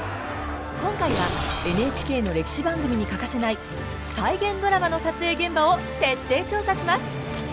今回はＮＨＫの歴史番組に欠かせない再現ドラマの撮影現場を徹底調査します！